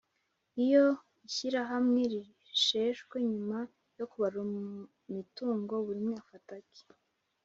Iyo Ishyirahamwe risheshwe nyuma yo kubarura imitungo buri umwe afata ake